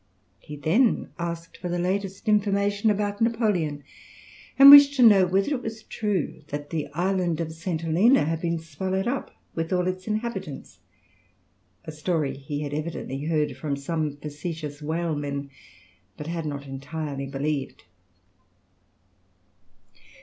He then asked for the latest information about Napoleon, and wished to know whether it was true that the island of St. Helena had been swallowed up with all its inhabitants! A story he had evidently heard from some facetious whalemen, but had not entirely believed.